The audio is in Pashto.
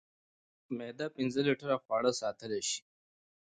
معده پنځه لیټره خواړه ساتلی شي.